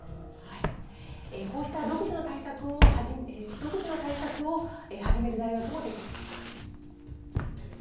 こうした独自の対策を始める大学も出てきています。